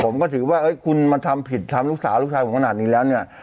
ผมก็ถือว่าคุณมาทำผิดทำลูกสาวลูกชายผมขนาดนี้แล้วเนี่ย